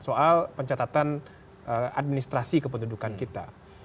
soal pencatatan administrasi kependudukan kita